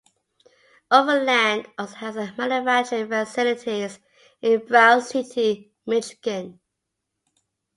Overland also has manufacturing facilities in Brown City, Michigan.